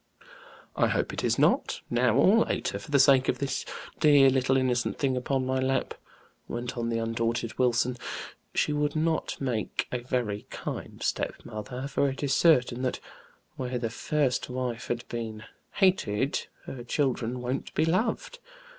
"I hope it is not, now or later for the sake of this dear little innocent thing upon my lap," went on the undaunted Wilson. "She would not make a very kind stepmother, for it is certain that where the first wife had been hated, her children won't be loved.